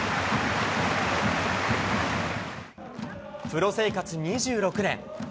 プロ生活２６年。